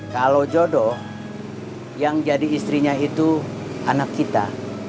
kalau jodoh yang jadi istrinya itu anak kita